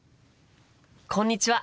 こんにちは！